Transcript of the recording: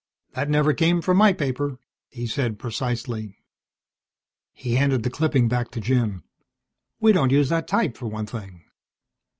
"That never came from my paper," he said precisely. He handed the clipping back to Jim. "We don't use that type, for one thing.